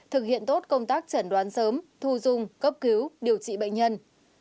thực hiện tốt công tác chẩn đoán sớm thu dung cấp cứu điều trị bệnh nhân